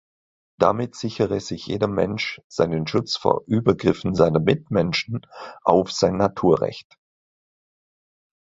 Damit sichere sich jeder Mensch seinen Schutz vor Übergriffen seiner Mitmenschen auf sein Naturrecht.